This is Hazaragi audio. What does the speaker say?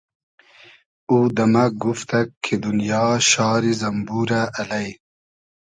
او دۂ مۂ گوفتئگ کی دونیا شاری زئمبورۂ الݷ